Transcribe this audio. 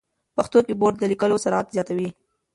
پښتو کیبورډ د لیکلو سرعت زیاتوي.